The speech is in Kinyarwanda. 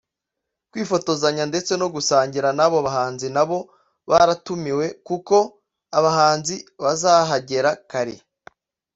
kwifotozanya ndetse no gusangira n’abo bahanzi nabo baratumiwe kuko abahanzi bazahagera kare